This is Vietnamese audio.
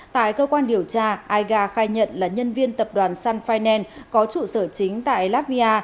tại cơ quan điều tra aiga khai nhận là nhân viên tập đoàn sun finance có trụ sở chính tại latvia